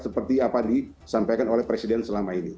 seperti apa disampaikan oleh presiden selama ini